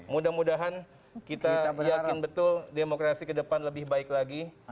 mudah mudahan kita yakin betul demokrasi ke depan lebih baik lagi